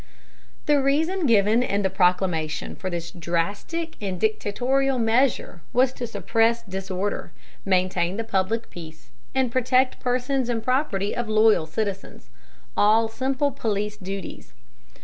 The reason given in the proclamation for this drastic and dictatorial measure was to suppress disorder, maintain the public peace, and protect persons and property of loyal citizens all simple police duties.